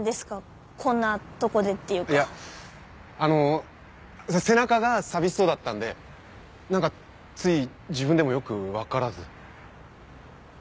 あのう背中が寂しそうだったんで何かつい自分でもよく分からず。